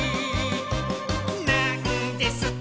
「なんですと」